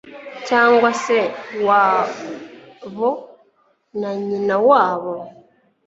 cyangwa se wabo na nyina wabo